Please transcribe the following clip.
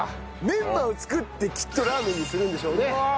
メンマを作ってきっとラーメンにするんでしょうね。